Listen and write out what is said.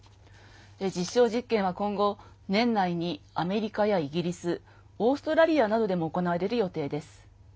実証実験は今後年内にアメリカやイギリスオーストラリアなどでも行われる予定です。